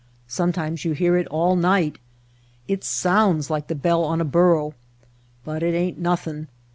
Sometimes you hear it all night. It sounds like the bell on a burro. But it ain't nothing.